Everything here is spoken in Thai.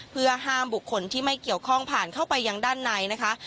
เพื่อห้ามบุคคลที่ไม่เกี่ยวข้องผ่านเข้าไปยังด้านในนะคะ